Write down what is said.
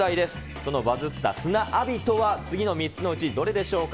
そのバズった砂浴びとは次の３つのうちどれでしょうか？